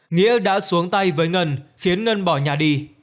nghĩa đã xuống tay với ngân khiến ngân bỏ nhà đi